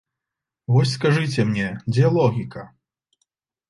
Вось скажыце мне, дзе логіка?